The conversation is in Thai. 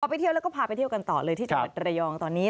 ไปเที่ยวแล้วก็พาไปเที่ยวกันต่อเลยที่จังหวัดระยองตอนนี้